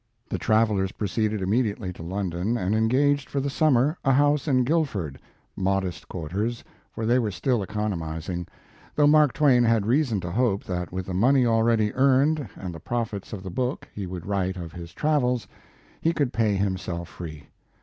The travelers proceeded immediately to London and engaged for the summer a house in Guildford, modest quarters, for they were still economizing, though Mark Twain had reason to hope that with the money already earned and the profits of the book he would write of his travels he could pay himself free.